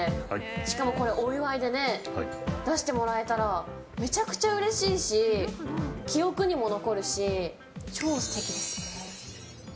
しかもお祝いで出してもらえたらめちゃくちゃうれしいし記憶にも残るし超素敵ですね。